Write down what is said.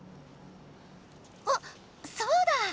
あっそうだ！